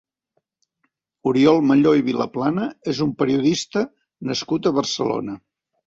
Oriol Malló i Vilaplana és un periodista nascut a Barcelona.